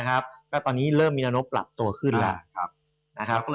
และตอนนี้มีนโนปปรับตัวขึ้น